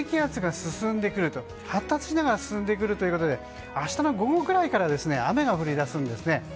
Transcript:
低気圧が発達しながら進んでくるということで明日の午後くらいから雨が降り出します。